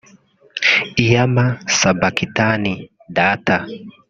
lama sabakitani (Data